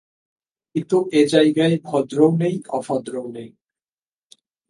কিন্তু এ জায়গায় ভদ্রও নেই অভদ্রও নেই।